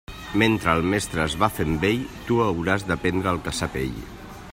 Mentre el mestre es va fent vell, tu hauràs d'aprendre el que sap ell.